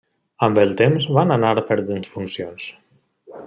Amb el temps van anar perdent funcions.